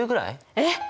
えっ！